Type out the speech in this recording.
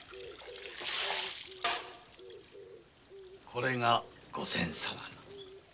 これが御前様の。